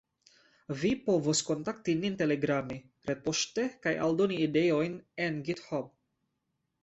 Vi povos kontakti nin Telegrame, retpoŝte kaj aldoni ideojn en Github.